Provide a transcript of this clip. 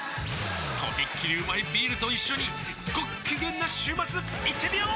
とびっきりうまいビールと一緒にごっきげんな週末いってみよー！